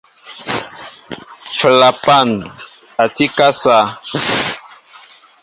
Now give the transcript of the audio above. Flapan tí a akasá.